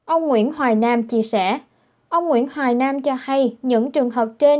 ông nguyễn hoài nam chia sẻ ông nguyễn hoài nam cho hay những trường hợp trên